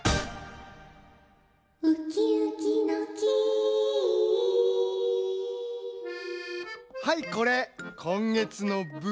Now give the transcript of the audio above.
ウキウキの木はいこれこんげつのぶん。